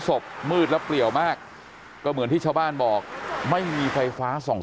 มืดแล้วเปลี่ยวมากก็เหมือนที่ชาวบ้านบอกไม่มีไฟฟ้าส่อง